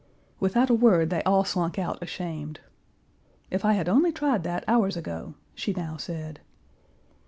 Without a word they all slunk out ashamed. "If I had only tried that hours ago," she now said.